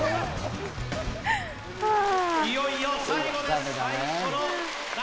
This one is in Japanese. いよいよ最後です。